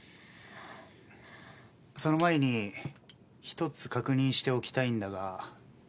その前に一つ確認しておきたいんだが。